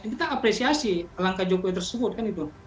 kita apresiasi langkah jokowi tersebut kan itu